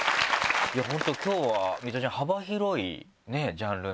本当今日はミトちゃん幅広いジャンルなんで。